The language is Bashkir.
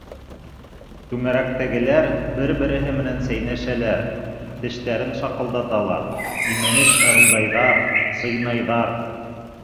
Түңәрәктәгеләр бер-береһе менән сәйнәшәләр, тештәрен шаҡылдаталар, имәнес ырылдайҙар, сыйнайҙар...